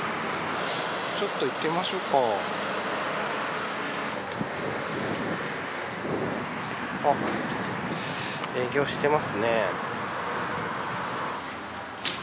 ちょっと行ってみましょうか。営業してますね。